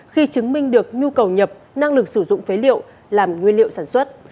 khi chứng minh được nhu cầu nhập năng lực sử dụng phế liệu làm nguyên liệu sản xuất